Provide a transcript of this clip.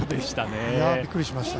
びっくりしました。